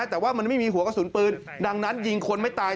แต่ว่ามันไม่มีหัวกระสุนปืนดังนั้นยิงคนไม่ตาย